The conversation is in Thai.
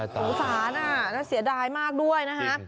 หูศานะเสียดายมากด้วยนะฮะ